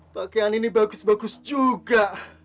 pakaian ini bagus bagus juga